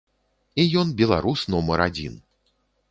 І ён беларус нумар адзін.